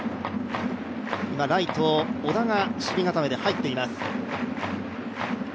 今、ライト、小田が守備固めで入っています。